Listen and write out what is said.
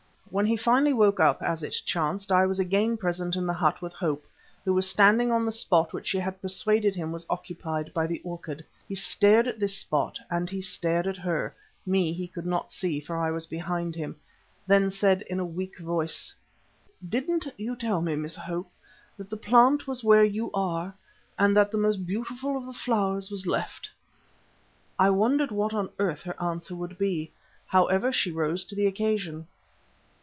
When he finally woke up, as it chanced, I was again present in the hut with Hope, who was standing on the spot which she had persuaded him was occupied by the orchid. He stared at this spot and he stared at her me he could not see, for I was behind him then said in a weak voice: "Didn't you tell me, Miss Hope, that the plant was where you are and that the most beautiful of the flowers was left?" I wondered what on earth her answer would be. However, she rose to the occasion.